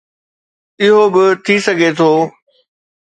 اهو به ٿي سگهي ٿو